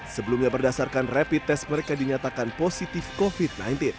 sebelumnya berdasarkan rapid test mereka dinyatakan positif covid sembilan belas